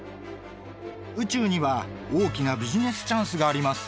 宇宙には大きなビジネスチャンスがあります。